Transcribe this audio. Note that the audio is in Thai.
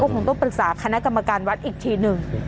คงต้องปรึกษาคณะกรรมการวัดอีกทีหนึ่ง